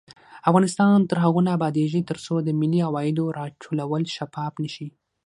افغانستان تر هغو نه ابادیږي، ترڅو د ملي عوایدو راټولول شفاف نشي.